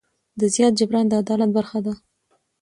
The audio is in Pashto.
د زیان جبران د عدالت برخه ده.